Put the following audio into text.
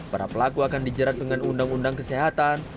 para pelaku akan dijerat dengan undang undang kesehatan